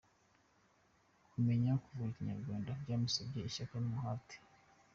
Kumenya kuvuga Ikinyarwanda byamusabye ishyaka n’umuhate.